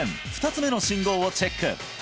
２つ目の信号をチェック